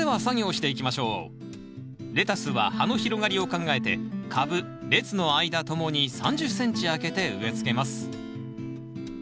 レタスは葉の広がりを考えて株列の間ともに３０ｃｍあけて植えつけます。